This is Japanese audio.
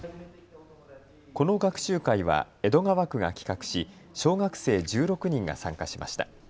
この学習会は江戸川区が企画し小学生１６人が参加しました。